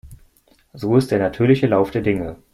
So ist der natürliche Lauf der Dinge.